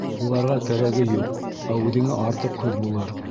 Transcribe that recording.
Уларға кәрәге юҡ, ә үҙеңә артыҡ һүҙ булыр.